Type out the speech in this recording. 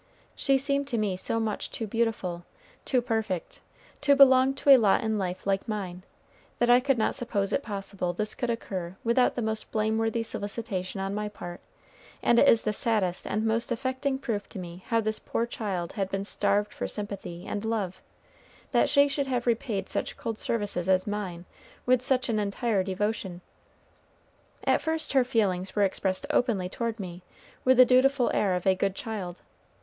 She seemed to me so much too beautiful, too perfect, to belong to a lot in life like mine, that I could not suppose it possible this could occur without the most blameworthy solicitation on my part; and it is the saddest and most affecting proof to me how this poor child had been starved for sympathy and love, that she should have repaid such cold services as mine with such an entire devotion. At first her feelings were expressed openly toward me, with the dutiful air of a good child.